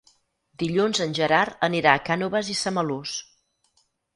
Dilluns en Gerard anirà a Cànoves i Samalús.